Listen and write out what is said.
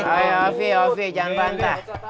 ayo ov ov jangan bantah